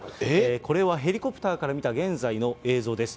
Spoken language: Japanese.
これはヘリコプターから見た現在の映像です。